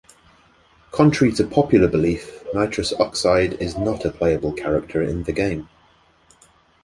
Contrary to popular belief, Nitros Oxide is not a playable character in the game.